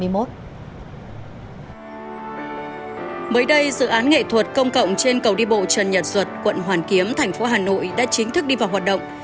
mới đây dự án nghệ thuật công cộng trên cầu đi bộ trần nhật duật quận hoàn kiếm thành phố hà nội đã chính thức đi vào hoạt động